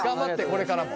これからも。